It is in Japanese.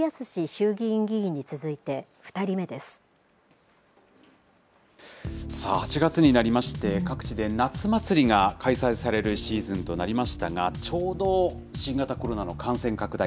衆議院議員に続いて２８月になりまして、各地で夏祭りが開催されるシーズンとなりましたが、ちょうど新型コロナの感染拡大